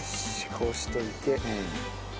こうしといて。